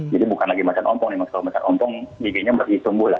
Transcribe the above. bukan lagi macan ompong nih mas kalau macan ompong giginya lagi tumbuh lah